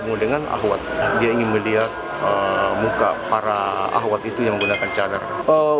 bergabung dengan ahwat dia ingin melihat muka para ahwat itu yang menggunakan pakaian perempuan serta bercadar